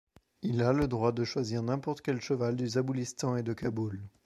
Il a le droit de choisir n'importe quel cheval du Zaboulistan et de Kaboul.